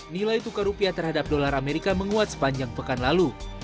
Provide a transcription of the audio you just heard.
nilai tukar rupiah terhadap dolar amerika menguat sepanjang pekan lalu